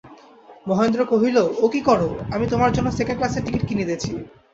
মহেন্দ্র কহিল, ও কী কর, আমি তোমার জন্য সেকেণ্ড ক্লাসের টিকিট কিনিতেছি।